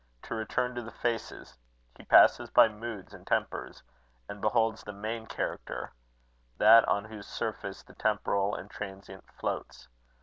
To return to the faces: he passes by moods and tempers, and beholds the main character that on whose surface the temporal and transient floats.